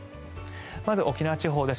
まず沖縄地方です。